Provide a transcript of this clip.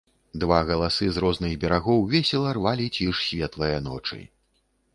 Два галасы з розных берагоў весела рвалі ціш светлае ночы.